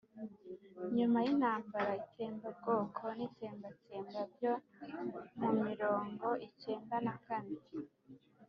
nyuma y'intambara, itsembabwoko n'itsembatsemba byo mu mirongo icyenda na kane,